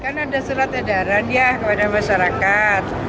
kan ada surat edaran ya kepada masyarakat